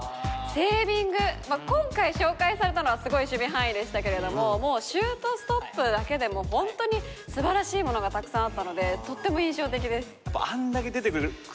今回紹介されたのはすごい守備範囲でしたけれどももうシュートストップだけでもホントにすばらしいものがたくさんあったのでとっても印象的です。